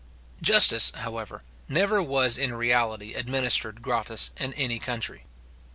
Justice, however, never was in reality administered gratis in any country.